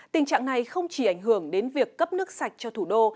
tình trạng này không chỉ ảnh hưởng đến việc cấp nước sạch cho thủ đô